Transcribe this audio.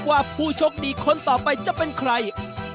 ว่าผู้โชคดีคนต่อไปจะเป็นใคร